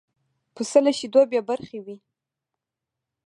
پسه له شیدو بې برخې وي.